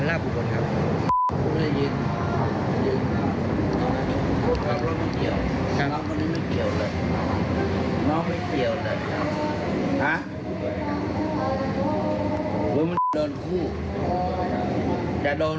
แล้วก็คุณนะคุณ